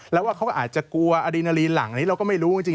แล้วว่าเขาก็อาจจะกลัวอดีนาลีนหลังอันนี้เราก็ไม่รู้จริง